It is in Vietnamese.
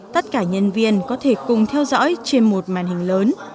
tất cả nhân viên có thể cùng theo dõi trên một màn hình lớn